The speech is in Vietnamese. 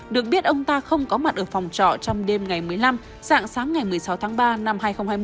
được biết ông ta không có mặt ở phòng trọ trong đêm ngày một mươi năm dạng sáng ngày một mươi sáu tháng ba năm hai nghìn hai mươi